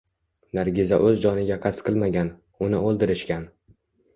Nargiza o`z joniga qasd qilmagan, uni o`ldirishgan